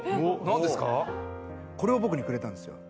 これを僕にくれたんですよ。